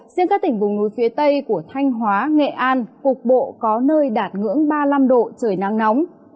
riêng các tỉnh vùng núi phía tây của thanh hóa nghệ an cục bộ có nơi đạt ngưỡng ba mươi năm độ trời nắng nóng